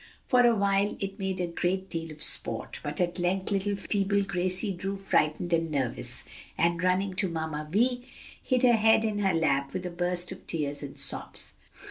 For a while it made a great deal of sport, but at length little feeble Gracie grew frightened and nervous, and running to "Mamma Vi" hid her head in her lap with a burst of tears and sobs.